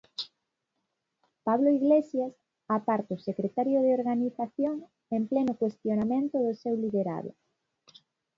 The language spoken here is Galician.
Pablo Iglesias aparta o secretario de Organización en pleno cuestionamento do seu liderado.